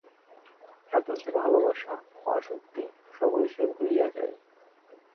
এত যে ভালবাসা ও আসক্তি, সবই সে ভুলিয়া যায়।